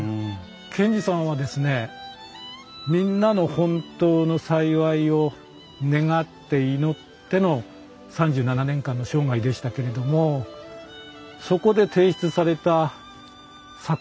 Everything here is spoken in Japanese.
賢治さんはみんなの本当の幸いを願って祈っての３７年間の生涯でしたけれどもそこで提出された作品生き方はですね